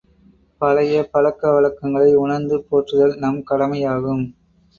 பழைய பழக்க வழக்கங்களை உணர்ந்து போற்றுதல் நம் கடமையாகும்.